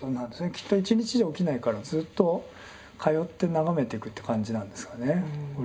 きっと１日じゃ起きないからずっと通って眺めていくっていう感じなんですかね。